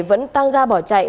vẫn tăng ga bỏ chạy